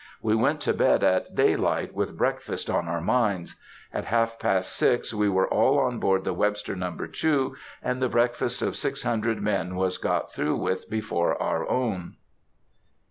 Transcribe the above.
We went to bed at daylight with breakfast on our minds. At half past six we were all on board the Webster No. 2, and the breakfast of six hundred men was got through with before our own.